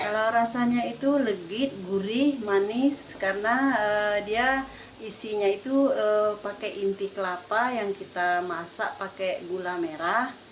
kalau rasanya itu legit gurih manis karena dia isinya itu pakai inti kelapa yang kita masak pakai gula merah